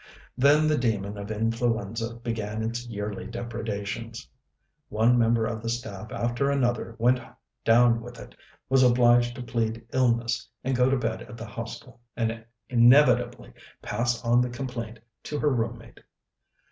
Then the demon of influenza began its yearly depredations. One member of the staff after another went down with it, was obliged to plead illness and go to bed at the Hostel, and inevitably pass on the complaint to her room mate.